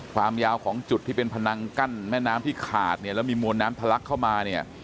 ความยาวของจุดที่เป็นพนังกั้นแม่น้ำที่ขาดเนี่ยแล้วมีมวลน้ำทะลักเข้ามาเนี่ย